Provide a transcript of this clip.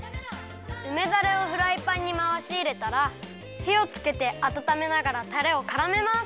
うめだれをフライパンにまわしいれたらひをつけてあたためながらたれをからめます！